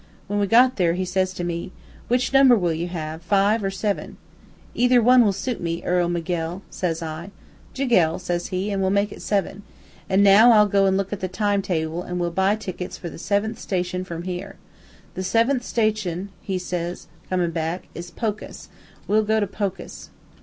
When we got there, he says to me, "Which number will you have, five or seven?' "'Either one will suit me, Earl Miguel,' says I. "'Jiguel,' says he, 'an' we'll make it seven. An' now I'll go an' look at the time table, an' we'll buy tickets for the seventh station from here. The seventh station,' says he, comin' back, 'is Pokus. We'll go to Pokus.'